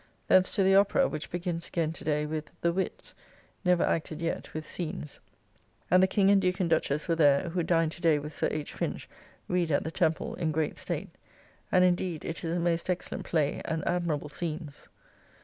Thence to the Opera, which begins again to day with "The Witts," never acted yet with scenes; and the King and Duke and Duchess were there (who dined to day with Sir H. Finch, reader at the Temple, in great state); and indeed it is a most excellent play, and admirable scenes.